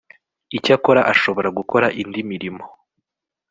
icyakora ashobora gukora indi imirimo